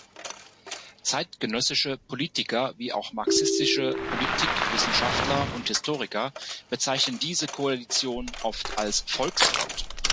Zeitgenössische Politiker wie auch marxistische Politikwissenschaftler und Historiker bezeichnen diese Koalition oft als „Volksfront“.